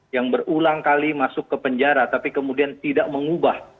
yang berulang kali masuk ke penjara tapi kemudian tidak mengubah